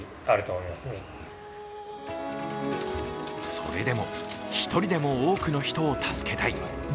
それでも１人でも多くの人を助けたい。